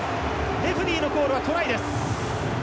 レフリーのコールはトライです。